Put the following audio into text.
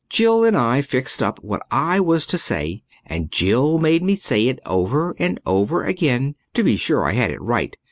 Jill and I fixed up what I was to say and Jill made me say it over and over again to be sure I had it right.